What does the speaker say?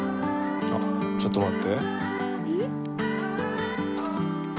ちょっと待って。